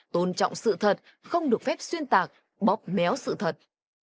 tôn trọng sự thật không được phép xuyên tạc bóp méo sự thật